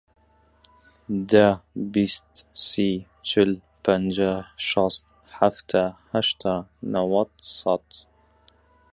دە، بیست، سی، چل، پەنجا، شەست، حەفتا، هەشتا، نەوەت، سەد.